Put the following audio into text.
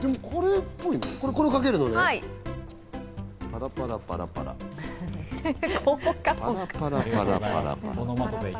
これをかけるのね、パラパラパラ、パラパラパラ。